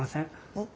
えっ？